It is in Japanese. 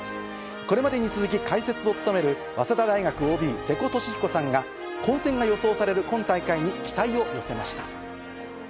これまでに続き、解説を務める早稲田大学ＯＢ、瀬古利彦さんが、混戦が予想される今大会に期待を寄せました。